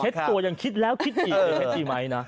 เท็จตัวยังคิดแล้วคิดอีกไหมนะ